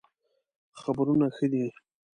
خبرونه ښه دئ